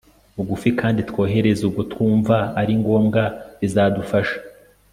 bugufi kandi twohereze ubwo twumva ari ngombwa, bizadufasha